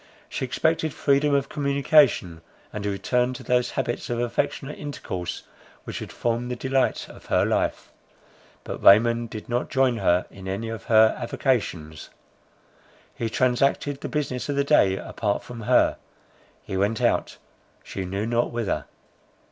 She expected freedom of communication, and a return to those habits of affectionate intercourse which had formed the delight of her life. But Raymond did not join her in any of her avocations. He transacted the business of the day apart from her; he went out, she knew not whither.